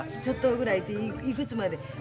ちょっとぐらいていくつまで？